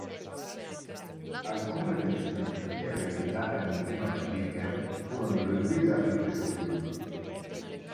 Alcune delle scenografie realizzate anni prima da Giger furono riutilizzate in questo film.